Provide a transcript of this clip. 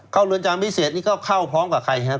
เรือนจำพิเศษนี่ก็เข้าพร้อมกับใครครับ